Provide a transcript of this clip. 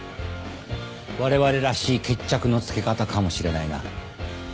われわれらしい決着のつけ方かもしれないな。